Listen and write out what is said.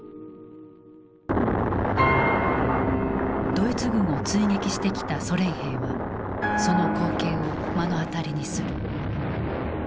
ドイツ軍を追撃してきたソ連兵はその光景を目の当たりにする。